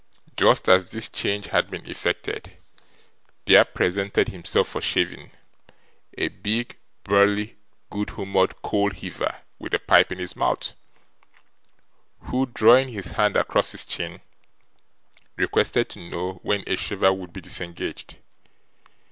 Just as this change had been effected, there presented himself for shaving, a big, burly, good humoured coal heaver with a pipe in his mouth, who, drawing his hand across his chin, requested to know when a shaver would be disengaged.